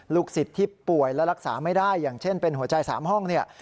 สิทธิ์ที่ป่วยและรักษาไม่ได้อย่างเช่นเป็นหัวใจ๓ห้องเนี่ย